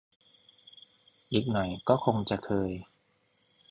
อีกหน่อยก็คงจะเคย